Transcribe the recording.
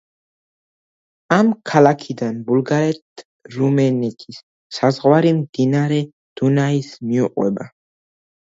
ამ ქალაქიდან ბულგარეთ-რუმინეთის საზღვარი მდინარე დუნაის მიუყვება.